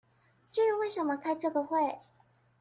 至於為什麼開這個會